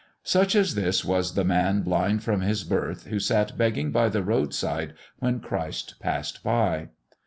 Such as this was the man blind from his birth who sat begging by the road side when Christ passed by.